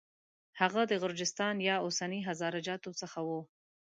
هغه د غرجستان یا اوسني هزاره جاتو څخه و.